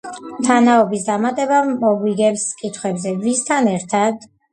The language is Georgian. თანაობის დამატება მოგვიგებს კითხვებზე: ვისთან ერთად?